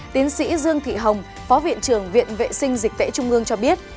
tiến sĩ dương thị hồng phó viện trưởng viện vệ sinh dịch tễ trung ương cho biết